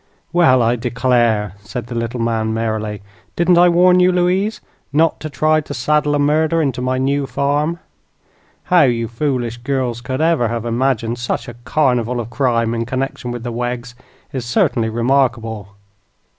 "Well, I declare!" said the little man, merrily; "didn't I warn you, Louise, not to try to saddle a murder onto my new farm? How you foolish girls could ever have imagined such a carnival of crime in connection with the Weggs is certainly remarkable."